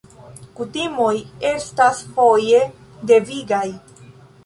Kutimoj estas foje devigaj.